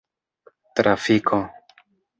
trafiko